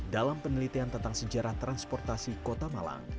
dalam penelitian tentang sejarah transportasi kota malang